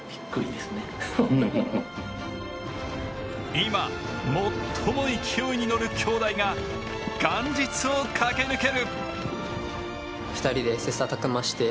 今、最も勢いに乗る兄弟が元日を駆け抜ける。